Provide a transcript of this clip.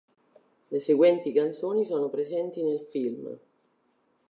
Le seguenti canzoni sono presenti nel film.